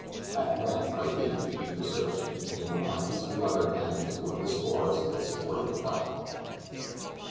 At length, by dint of an eager search, he came upon a piece of leather hanging to one of the spars that supported the platform.